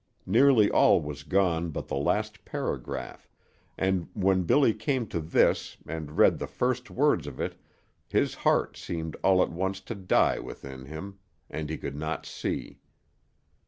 Nearly all was gone but the last paragraph, and when Billy came to this and read the first words of it his heart seemed all at once to die within him, and he could not see.